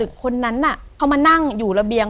อเรนนี่แกร่งอเรนนี่แกร่ง